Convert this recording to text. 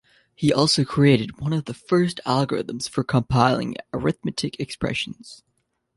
He also created one of the first algorithms for compiling arithmetic expressions.